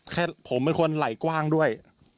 ผมเป็นคนไหล่กว้างด้วย